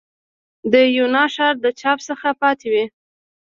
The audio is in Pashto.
د یونا ښار د پاچا څخه پاتې وې.